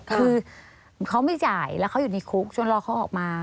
คือเขาไม่จ่ายแล้วเขาอยู่ในคุกจนรอเขาออกมา